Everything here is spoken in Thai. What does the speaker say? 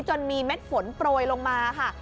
จนมีเม็ดฝนโปรยลงมาค่ะ